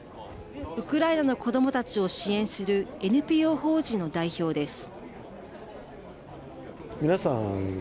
ウクライナの子どもたちを支援するＮＰＯ法人の代表です。